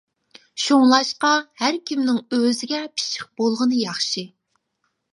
شۇڭلاشقا ھەركىمنىڭ ئۆزىگە پىششىق بولغىنى ياخشى.